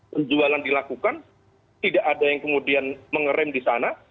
penjualan dilakukan tidak ada yang kemudian mengerem di sana